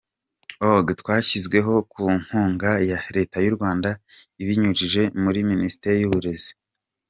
org rwashyizweho ku nkunga ya Leta y’u Rwanda ibinyujije muri Minisiteri y’Uburezi.